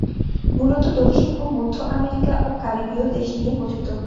মূলত দক্ষিণ ও মধ্য আমেরিকা ও কারিবীয় দেশ নিয়ে গঠিত।